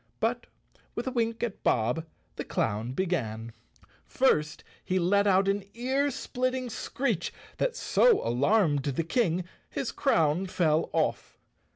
But with a wink at Bob the clown began. First he let out an ear splitting screech that so alarmed the King his crown fell off.